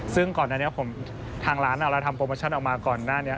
ซึ่งก่อนอันนี้ทางร้านเราทำโปรโมชั่นออกมาก่อนหน้านี้